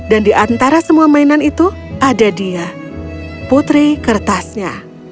dan di antara semua mainan itu ada dia putri kertasnya